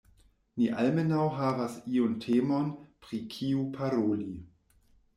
Ni almenaŭ havas iun temon, pri kiu paroli.